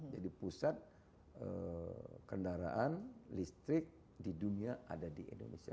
jadi pusat kendaraan listrik di dunia ada di indonesia